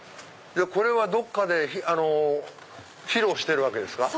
これはどっかで披露してるわけですか？